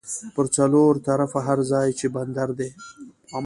پر څلور طرفه هر ځای چې بندر دی